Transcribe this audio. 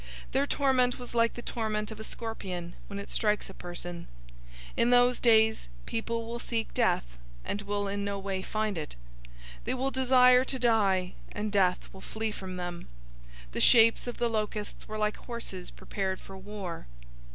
Their torment was like the torment of a scorpion, when it strikes a person. 009:006 In those days people will seek death, and will in no way find it. They will desire to die, and death will flee from them. 009:007 The shapes of the locusts were like horses prepared for war.